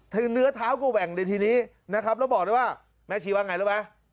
ถึงเนื้อเท้าก็แหว่งในทีนี้นะครับแล้วบอกได้ว่าแม่ชีว่าไงแล้วไว้